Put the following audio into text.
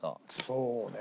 そうね。